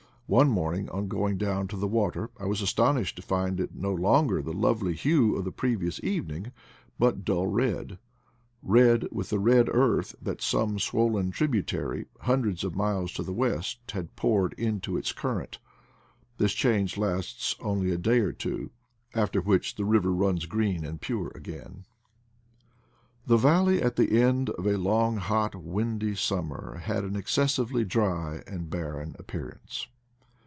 One morning, on going down to the water, I was astonished to find it no longer the lovely hue of the previous evening, but dull red — red with the red earth that some swollen tributary hundreds of miles to the west had poured into its current. This change lasts only a day or two, after which the river runs green and pure again. The valley at the end of a long hot windy sum mer had an excessively dry and barren appear ance.